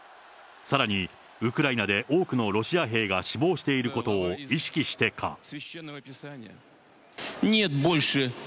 さらに、ウクライナで多くのロシア兵が死亡していることを意識してか。